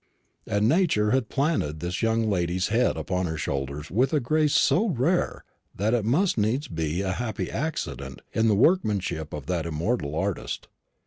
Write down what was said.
And Nature had planted this young lady's head upon her shoulders with a grace so rare that it must needs be a happy accident in the workmanship of that immortal artist.